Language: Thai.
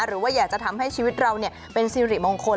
หรือว่าอยากจะทำให้ชีวิตเราเป็นสิริมงคล